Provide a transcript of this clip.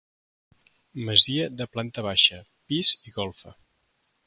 Masia de planta baixa, pis i golfa.